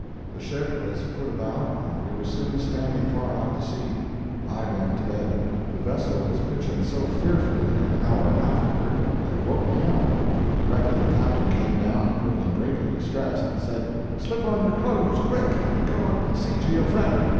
The ship was put about and we were soon standing far out to sea. I went to bed. The vessel was pitching so fearfully an hour afterward that it woke me up. Directly the Captain came down, looking greatly distressed, and said: "Slip on your clothes quick and go up and see to your friend.